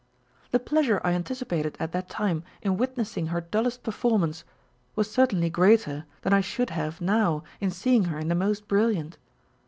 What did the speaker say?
The pleasure I anticipated at that time in witnessing her dullest performance, was certainly greater than I should have now in seeing her in the most brilliant.